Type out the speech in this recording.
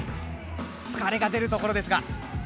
疲れが出るところですが。